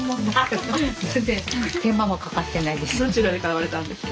どちらで買われたんですか？